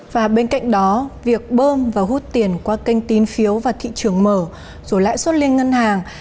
và bên cạnh đó việc bơm và hút tiền qua kênh tín phiếu và thị trường mở rồi lãi suất liên ngân hàng